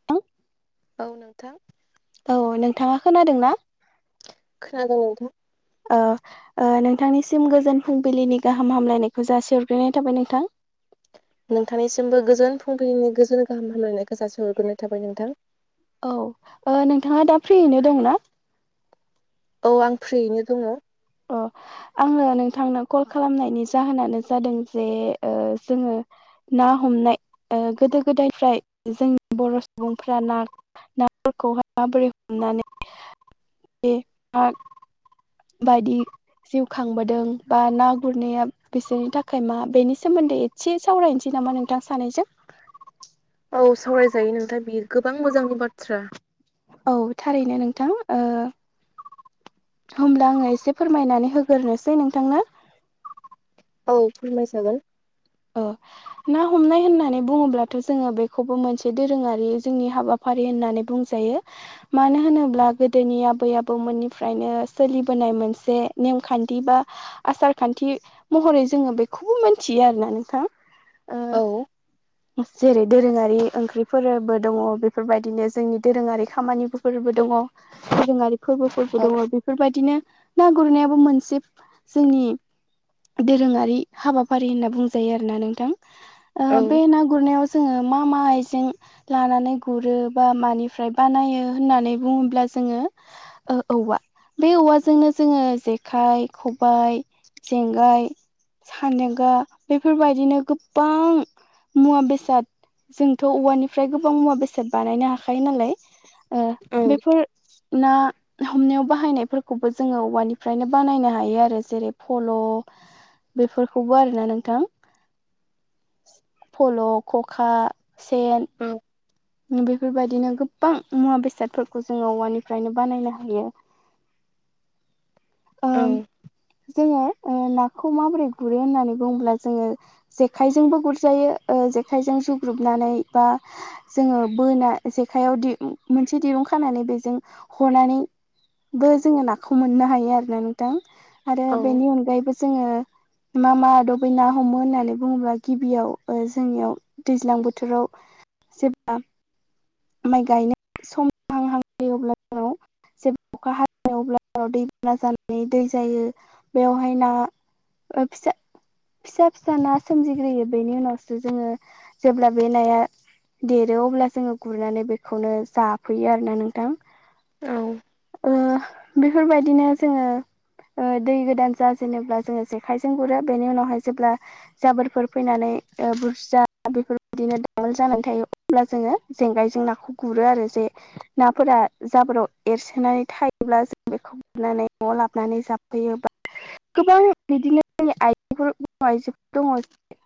[unintelligible] औ नोंथां। औ नोंथाङा खोनादों ना। खोनादों नोंथां। नोंथांनिसिम गोजोन फुंबिलिनि गाहाम हामलायनायखौ जासिहरग्रोनाय थाबाय नोंथां। नोंथांनिसिमबो गोजोन फुंबिलिनि गोजोन गाहाम हामलायनायखौ जासि हरग्रोनाय थाबाय नोंथां। औ नोंथाङा दा फ्रियैनो दंना। औ आं फ्रियैनो दङ। अ' आङो नोंथांनो कल खालामनायनि जाहोनानो जादों जे जोङो ना हमनाय गोदो गोदायफ्राय जोंनि बर' सुबुंफ्रा ना नाफोरखौहाय माबोरै हमनानै [unintelligible] बे [unintelligible] बायदि जिउ खांबोदों बा ना गुरनाया बिसोरनि थाखाय मा बेनि सोमोन्दै एसे सावरायनोसै नामा नोंथां सानैजों। औ सावरायजायो नोंथां बियो गोबां मोजांनि बाथ्रा। औ थारैनो नोंथां। ओ होमब्ला आङो एसे फोरमायनानै होग्रोसै नोंथांनो। औ फोरमायजागोन। ना हमनाय होननानै बुङोब्लाथ' जोङो बेखौबो मोनसे दोरोङारि जोंनि हाबा फारि होननानै बुंजायो। मानो होनोब्ला गोदोनि आबै आबौमोननिफ्रायनो सोलिबोनाय मोनसे नेमखान्थि बा आसार खान्थि महरै जोङो बेखौबो मोनथियो आरोना नोंथां। औ [unintelligible] जेरै दोरोङारि ओंख्रिफोरबो दङ। बेफोरबायदिनो जोंनि दोरोङारि खामानिफोरबो दङ। दोरोङारि फोरबोफोरबो औ दङ। बेफोरबादिनो ना गुरनायाबो मोनसे जोंनि दोरोङारि हाबाफारि होनना बुंजा जायो आरोना औ नोंथां। बे ना गुरनायाव जोङो मा मा आइजें लानानै गुरो बा मानिफ्राय बानायो होननानै बुङोब्ला जोङो ओ औवा, बे औवाजोंनो जोङो जेखाइ, खबाय जेंगाय, सानदेंगा बेफोरबायदिनो गोब्बां मुवा बेसाद जोंथ' औवानिफ्राय गोबां मुवा बेसाद बानायनो हाखायो नालाय। ओ औ बेफोर ना हमनायाव बाहायनायफोरखौबो जोङो औवानिफ्रायनो बानायनो हायो आरो जेरै फल' बेफोरखौबो आरोना नों थां फल' खखा सेन औ बेफोरबायदिनो गोबां मुवा बेसादफोरखौ जोङो औवानिफ्रायनो बानायनो हायो। ओ औ जोङो ओ नाखौ माबोरै गुरो होननानै बुङोब्ला जोङो जेखाइजोंबो गुरजायो, ओ जेखाइजों जुग्रुबनानै बा जोङो बोना जेखाइयाव दि मोनसे दिरुं खानानै बेजों हनानै बो जोङो नाखौ मोननो हायो आरोना नोंथां आरो औ बेनि अनगायैबो जोङो मा मा आदबै ना हमो होननानै बुङोब्ला गिबियाव ओ जोंनियाव दैज्लां बोथोराव जेब्ला माइ गायनो सम जाहां जायो अब्ला जेब्ला अखा हायो अब्ला दैबाना जानानै दै जायो। बेयावहाय ना ओ फिसा फिसा फिसा ना सोमजिग्रोयो। बेनि उनावसो जोङो जेब्ला बे नाया देरो अब्ला जोङो गुरनानै बेखौनो जाफैयो आरोना नोंथां। औ। ओ बेफोरबायदिनो जोङो ओ दै गोदान जाजेनोब्ला जोङो जेखाइजों गुरो। बेनि उनावहाय जेब्ला जाबोरफोर फैनानै ओ बुरजा बेफोरबायदिनो दामोल जानानै थायो अब्ला जोङो जेंगायजों नाखौ गुरो आरो जे नाफोरा जाबोराव एरसोनानै थायोब्ला जों बेखौ गुरनानै न'आव लाबनानै जाफैयो बा गोबां बिदिनो जोंनि आइजोफोर बर' आइजोफोर दङ जेरै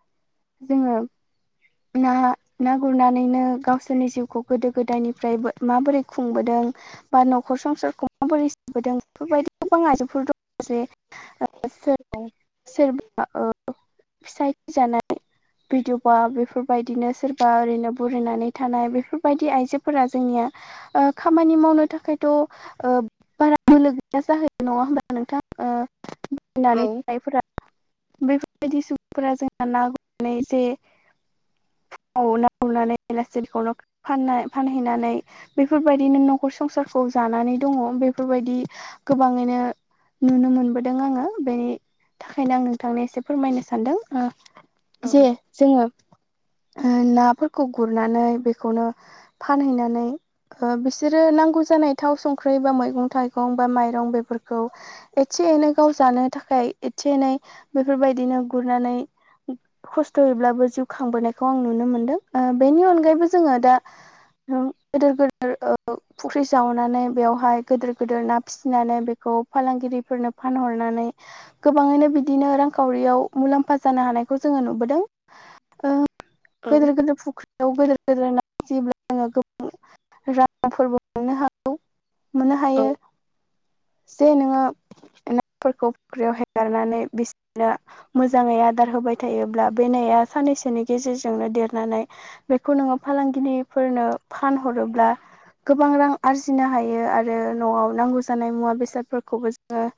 जोङो ना ना गुरना नैनो गावसोरनि जिउखौ गोदो गोदायनिफ्राय बो माबोरै खुंबोदों बा न'खर संसारखौ माबोरै सिबोदों बेफोरबायदि गोबां आइजोफोर दङ जे औ। सोरबा ओ फिसाय थैजानाय बिदुबा, बेफोरबायदिनो सोरबा ओरैनो बुरैनानै थानाय बेफोरबायदि आइजोफोरा जोंनिया ओ खामानि मावनो थाखायथ' ओ बारा बोलो गैया जाहोयो नङा होमबा नोंथां? ओ [unintelligible] थानायफोरा बेफोरबायदि सुबुंफोरा जोंहा ना गुरनानै जे फुङाव ना गुरनानै बेलासे बेखौनो फाननाय-फानहैनानै बेफोरबायदिनो न'खर संसारखौ जानानै दङ बेफोरबायदि गोबाङैनो नुनो मोनबोदों आङो बेनि थाखायनो आं नोंथांनो एसे फोरमायनो सानदों। जे जोङो ओ नाफोरखौ गुरनानै बेखौनो फानहैनानै ओ बिसोरो नांगौ जानाय थाव संख्रि बा मैगं थाइगं बा माइरं बेफोरखौ एदसे एनै गाव जानो थाखाय एदसे एनै बेफोरबायदिनो गुरनानै खस्थ'यैब्लाबो जिउ खांबोनायखौ आं नुनो मोनदों ओ बेनि अनगायैबो जोङो दा गोदोर गोदोर ओ फुख्रि जावनानै बेवहाय गोदोर गोदोर ना फिसिनानै बेखौ फालांगिरिफोरनो फानहरनानै गोबाङैनो बिदिनो रांखावरियाव मुलाम्फा जानो हानायखौ जोङो नुबोदों। ओ औ गोदोर गोदोर फुख्रियाव गोदोर गोेदोर ना जायोब्ला जोङो गोबां रांफोरबो मोननो हागौ मोननो हायो। जे नोङो नाफोरखौ फुख्रियाव हेगारनानै बिसोरनो मोजाङै आदार होबाय थायोब्ला बै नाया साननैसोनि गेजेरजोंनो देरनानै बेखौ नोङो फालांगिरिफोरनो फानहरोब्ला गोबां रां आरजिनो हायो आरो न'आव नांगौ जानाय मुवा बेसादफोरखौबो जोङो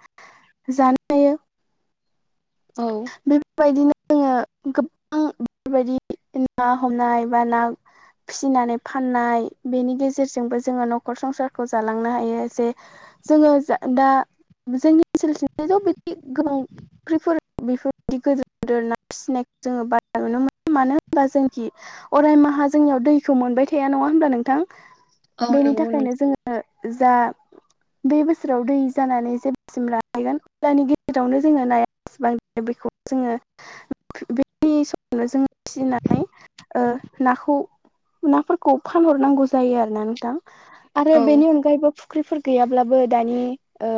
जानो हायो। औ बेफोरबायदिनो जोङो गोबां बेफोरबायदि ना हमनाय बा ना फिसिनानै फाननाय बेनि गेजेरजोंबो जोङो न'खर संसारखौ जालांनो हायो जे जोङो जा दा जोंनि ओनसोलथिंजायथ' बिदि गोबां फुख्रिफोर बेफोरबायदि गोदोर गोदोर ना फिसिनाय जोङो बारा नुनो मोनो मानो होनबा जोंखि अरायमाहा जोंनियाव दैखौ मोनबाय थाया नङा होमब्ला नोंथां औ बेनि नंगौ थाखायनो जोङो नो जा बे बोसोराव दै जानानै जेब्लासिम राहैगोन अब्लानि गेजेरावनो जोङो नाया बेसिबां बेखौ जोङो बेनि समावनो जों फिसिनानै ओ नाखौ नाफोरखौ फानहरनांगौ जायो आरो ना नोंथां आरो नोंथां औ बेनि अनगायैबो फु फुख्रिफोर गैयाब्लाबो दायो ओ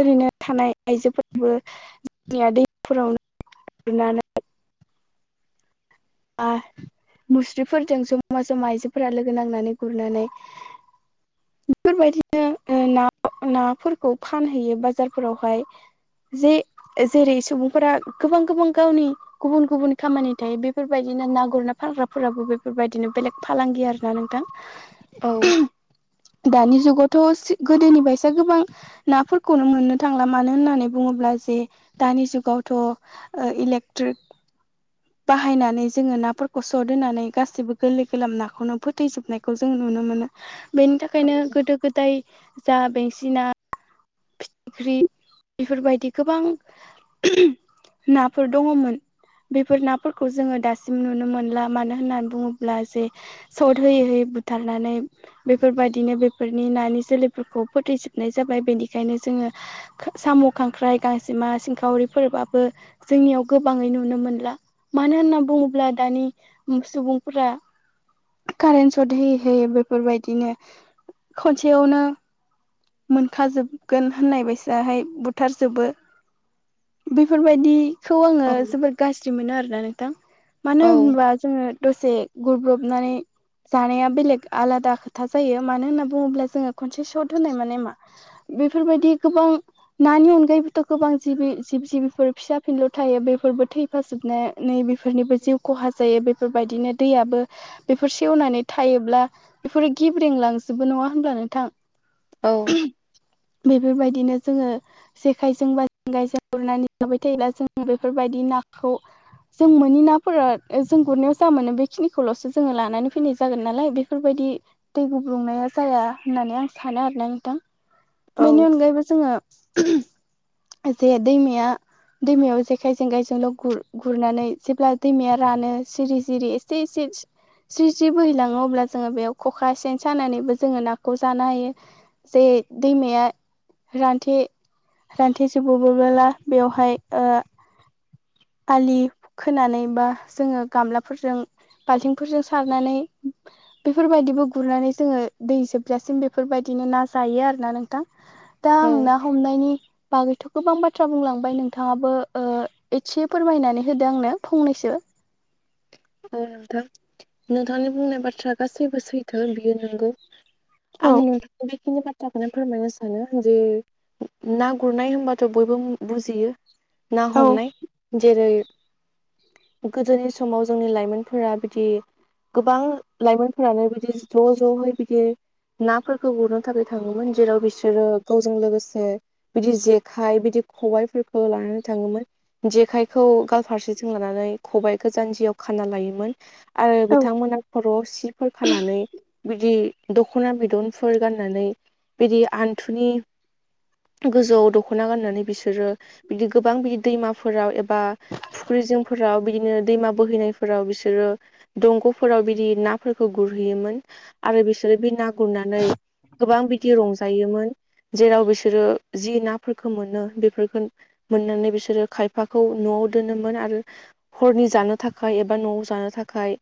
ओरैनो थानाय आइजोफोराबो जोंनिया दैफोराव ना गुरनानै आ मुस्रिफोरजों ज'मा जमा आइजोफोरा लोगो नांनानै गुरनानै [inaudible] बेफोरबायदिनो नाफोरखौ फानहैयो बाजारफोरावहाय जे जेरै सुबुंफोरा गोबां गोबां गावनि गुबुन गुबुन खामानि थायो बे बेफोरबायदिनो ना गुरना फानग्राफोराबो बेफोरबायदिनो बेलेग फालांगि आरोना नोंथां। औ दानि जुगावथ' गोदोनि बायसा गोबां नाफोरखौनो मोननो थांला मानो होननानै बुङोब्ला जे दानि जुगावथ' ओ इलेक्ट्रिक बाहायनानै जोङो नाफोरखौ सद होनानै गासैबो गोरलै गोलाम नाखौनो फोथैजोबनायखौ जों नुनो मोनो। बेनि थाखायनो गोदो गोदाय जा बेंसि ना फिथिख्रि बेफोरबायदि गोबां नाफोर दङमोन। बेफोर नाफोरखौ जोङो दासिम नुनो मोनला मानो होननानै बुङोब्ला जे सद होयै होयै बुथारनानै बेफोरबायदिनो बेफोरनि नानि जोलैफोरखौ फोथैजोबनाय जाबाय बेनिखायनो जोङो साम' खांख्राइ गांजेमा सिंखावरि फोरबाबो जोंनियाव गोबाङै नुनो मोनला। मानो होनना बुङोब्ला दानि सुबुंफोरा कारेन्ट सट होयै होयै बेफोरबायदिनो खनसेयावनो मोनखाजोबगोन होननाय बायसाहाय बुथारजोबो बेफोरबायदि खौ‌ आङो औ जोबोद गाज्रि मोनो आरो ना नोंथां मानो होनबा जोङो दसे गुरब्रबनानै जानाया बेलेग आलादा खोथा जायो मानो होनना बुङोब्ला जोङो खनसे सट होनाय माने मा बेफोरबायदि गोबां नानि अनगायैबोथ' गोबां जिबि जिब जिबिफोर फिसा फिनल' थायो बेफोरबो थै फाजोबनानै बेफोरनिबो जिउ खहा जायो बेफोरबायदिनो दैयाबो बेफोर सेवनानै थायोब्ला बेफोरो गेब्रेंलांजोबो नङा होनब्ला नोंथां? औ बेफोरबायदिनो जोङो जेखाइजों बा जगायजों गुरनानै जाबाय थायोब्ला जों बेफोरबायदि नाखौ जों मोनोनि नाफोरा जों गुरनायाव जा मोनो बेखिनिखौल'सो जोङो लानानै फैनाय जागोन नालाय बेफोरबायदि दै गुब्रुंनाया जाया होननानै आं सानो आरो ना नोंथां बेनि अनगायैबो जोङो जे दैमाया दैमायाव जेखाइ जेंगायजोंल' गुर-गुरनानै जेब्ला दैमाया रानो जिरि जिरि एसे एसे स्रि स्रि बोहैलाङो अब्ला जोङो बेयाव खखा सेन सानानैबो जोङो नाखौ जानो हायो। जे दैमाया रान्थे रान्थे जोबोबोबोला बेयावहाय ओ आलि खोनानै बा जोङो गामलाफोरजों बाल्थिंफोरजों सारनानै बेफोरबायदिबो गुरनानै जोङो दै जोबजासिम बेफोरबायदिनो ना जायो आरो ना नोंथां। दा औ आं ना हमनायनि बागैथ' गोबां बाथ्रा बुंलांबाय नोंथाङाबो ओ एसे फोरमायनानै होदो आंनो फंनैसो। औ नोंथां नोंथांनि बुंनाय बाथ्रा गासैबो सैथो बियो नोंगौ। औ आं नोंथांनि बेखिनि बाथ्राखौनो फोरमायनो सानो जे ना गुरनाय होनबाथ' बयबो बुजियो। ना औ हमनाय जेरै गोदोनि समाव जोंनि लाइमोनफोरा बिदि गोबां लाइमोनफोरानो बिदि ज' ज'है बिदि नाफोरखौ गुरनो थाखाय थाङोमोन जेराव बिसोरो गावजों लोगोसे बिदि जेखाइ बिदि खबाइफोरखौ लानानै थाङोमोन। जेखायखौ गाल फारसेजों लानानै खबाइखो जानजिआव खाना लायोमोन आरो औ बिथांमोना खर'आव सिफोर खानानै बिदि दख'ना बिदनफोर गाननानै बिदि आन्थुनि गोजौआव दख'ना गाननानै बिसोरो बिदि गोबां बिदि दैमाफोराव एबा फुख्रि जिफोराव बिदिनो दैमा बोहैनाय फोराव बिसोरो दंग'फोराव बिदि नाफोरखौ गुरहैयोमोन। आरो बिसोरो बे ना गुरनानै गोबां बिदि रंजायोमोन। जेराव बिसोरो जि नाफोरखौ मोनो बेफोरफोरखौ मोननानै बिसोरो खायफाखौ न'आव दोनोमोन आरो हरनि जानो थाखाय। थाखाय एबा न'आव जानो थाखाय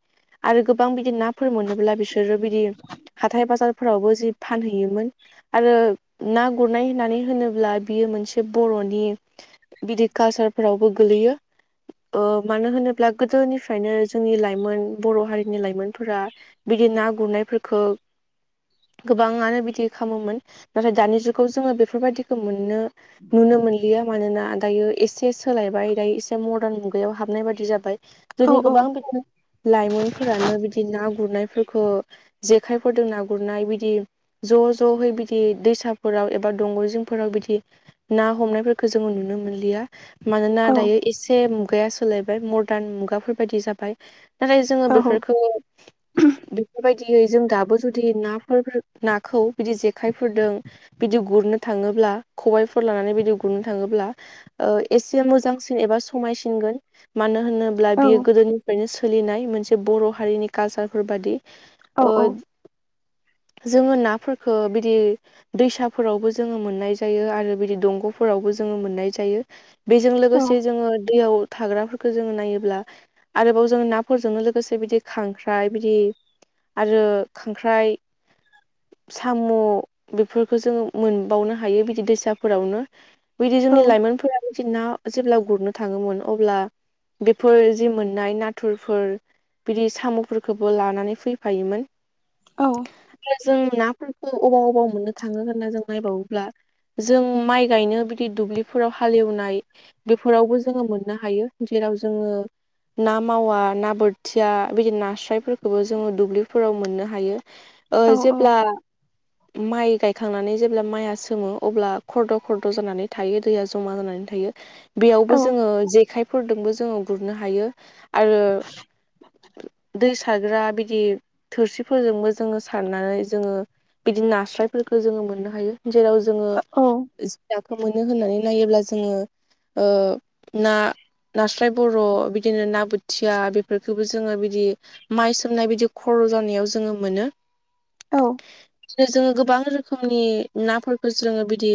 आरो गोबां बिदि नाफोर मोनोब्ला बिसोरो बिदि हाथाय बाजारफोरावबो जि फानहैयोमोन। आरो ना गुरनाय होननानै होनोब्ला बियो मोनसे बर'नि बिदि कालसारफोरावबो गोलैयो। ओ मानो होनोब्ला गोदोनिफ्रायनो जोंनि लाइमोन बर' हारिनि लाइमोनफोरा बिदि ना गुरनायफोरखौ गोबाङानो बिदि खालामोमोन नाथाय दानि जुगाव जोङो बेफोरबायदिखौ मोननो नुनो मोनलिया मानोना दायो एसे सोलायबाय दायो एसे मदार्न मुगायाव हाबनाय बायदि जाबाय औ जोंनि औ गोबां बिदिनो लाइमोनफोरानो बिदि ना गुरनायफोरखौ जेखायफोरजों ना गुरनाय बिदि ज' ज'है बिदि दैसाफोराव एबा दंग' जिंफोराव बिदि ना हमनायफोरखौ जोङो नुनो मोनलिया मानोना औ दायो एसे मुगाया सोलायबाय मदार्न मुगाफोरबायदि जाबाय नाथाय जोङो औ बेफोरखौ बेफोरबायदियै जों दाबो जुदि नाफोर नाखौ बिदि जेखाइफोरदों बिदि गुरनो थाङोब्ला खबायफोर लानानै बिदि गुरनो थाङोब्ला ओ एसे मोजांसिन एबा समायसिनगोन मानो होनोब्ला बियो गोदोनिफ्रायनो सोलिनाय मोनसे बर' हारिनि कालसारफोर बादि औ ओ जोङो नाफोरखो बिदि दैसाफोरावबो जोङो मोननाय जायो आरो बिदि दंग'फोरावबो जोङो मोननाय जायो। बेजों लोगोसे जोङो दैयाव थाग्राफोर खो जोङो नायोब्ला आरोबाव जोङो नाफोरजोंनो लोगोसे बिदि खांख्राइ बिदि आरो खांख्राइ सामु बेफोरखौ जोङो मोनबावनो हायो बिदि दैसाफोरावनो। बैदि औ जोंनि लाइमोनफोरा बिदि ना जेब्ला गुरनो थाङोमोन अब्ला बेफोर जि मोननाय नाथुरफोर बिदि सामु फोरखौबो लानानै फैफायोमोन। आरो जों नाफोरखौ अबाव अबाव मोननो थाङो होनना जों नायबावोब्ला। जों माइ गायनो बिदि दुब्लिफोराव हालेवनाय बेफोरावबो जोङो मोननो हायो। जेराव जोङो ना मावा ना बोरथिया बिदि नास्रायफोरखौबो जोङो दुब्लिफोराव मोननो हायो। ओ औ जेब्ला माइ गायखांनानै जेब्ला माइआ सोमो अब्ला खरद' खरद' जानानै थायो दैया जमा जानानै था हायो बेयावबो जोङो जेखायफोरदोंबो जोङो गुरनो हायो। आरो दैसा सारग्रा बिदि थोरसिफोरजोंबो जोङो सारनानै जोङो बिदि नास्रायफोरखो जोङो मोननो हायो जेराव जोङो खो मोनो होननानै नायोब्ला जोङो ओ ना नास्राय बर' बिदिनो ना बोथिया बेफोरखौबो जोङो बिदि माइ सोमनाय बिदि खर' जानायाव जोङो मोनो। औ। जोङो गोबां रोखोमनि नाफोरखौ जोङो बिदि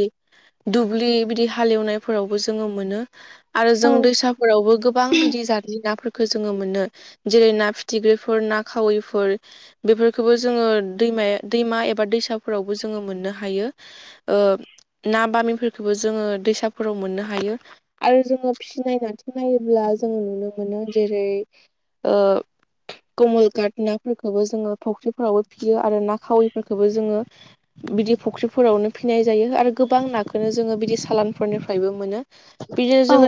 दुब्लि बिदि हालेवनायफोरावबो जोङो मोनो आरो औ जों दैसा आवबो गोबां बिदि जाद नाफोरखौ जोङो मोनो। जेरै ना फिथिख्रिफोर ना खावैफोर बेफोरखौबो जोङो दैमाया दैमा एबा दैसाफोरावबो जोङो मोननो हायो। ओ ना बामिफोरखौबो जोङो दैसाफोराव मोननो हायो आरो जोङो फिनाय ना फोरखौ नायोब्ला जोङो नुनो मोनो जेरै ओ कमल काट नाफोरखौबो जोङो फुख्रिफोरावबो फियो आरो ना खावैफोरखौबो जोङो बिदि फुख्रिफोरावनो फिनाय जायो आरो गोबां नाखोनो जोङो बिदि सालानफोरनिफ्रायबो मोनो। बिदिनो औ जोङो